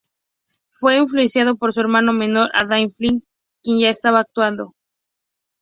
Fue influenciado por su hermano menor, Aidan Fiske, quien ya estaba actuando.